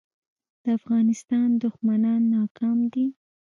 د افغانستان دښمنان ناکام دي